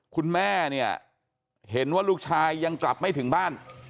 คุณแม่เนี่ยเห็นว่าลูกชายยังกลับไม่ถึงบ้าน